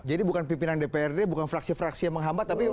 akhirnya bukan fraksi fraksi yang menghambat